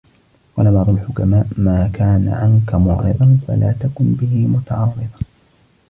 وَقَالَ بَعْضُ الْحُكَمَاءِ مَا كَانَ عَنْك مُعْرِضًا ، فَلَا تَكُنْ بِهِ مُتَعَرِّضًا